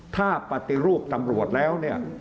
ถ้าปฏิรูปตำรวจแล้ว